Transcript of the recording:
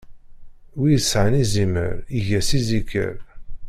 Wi isɛan izimer, iga-s iziker.